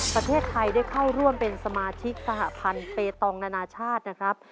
ประเทศไทยได้เข้าร่วมเป็นสมาชิกสหพันธ์เปตองนานาชาตินะครับ